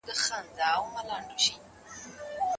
موبایل د هوښیارۍ د یوې وسیلې رول ولوباوه.